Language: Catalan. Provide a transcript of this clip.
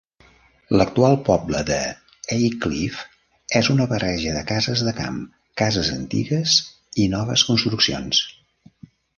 L'actual poble de Aycliffe és una barreja de cases de camp, cases antigues i noves construccions.